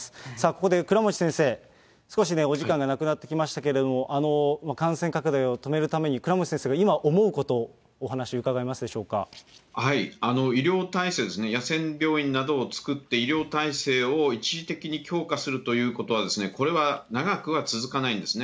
ここで倉持先生、少しお時間がなくなってきましたけれども、感染拡大を止めるために、倉持先生が今思うこと、医療体制ですね、野戦病院などを作って、医療体制を一時的に強化するということは、これは長くは続かないんですね。